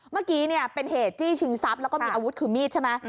เมื่อกี้เป็นเหตุจี้ชิงทรัพย์แล้วก็มีอาวุธคือมีดใช่ไหม